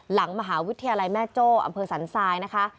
หลังมหาวิทยาลัยแม่โจ้อำเภอสันทรายนะคะ